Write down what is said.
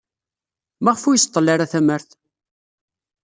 Maɣef ur iseḍḍel ara tamart?